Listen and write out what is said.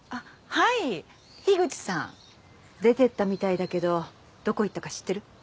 はい樋口さん出てったみたいだけどどこ行ったか知ってる？